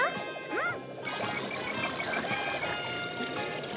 うん！